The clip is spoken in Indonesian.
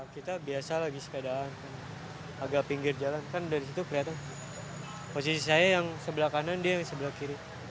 kita biasa lagi sepedaan agak pinggir jalan kan dari situ kelihatan posisi saya yang sebelah kanan dia yang sebelah kiri